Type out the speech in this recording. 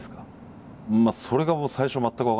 それがもう最初全く分かんなくて。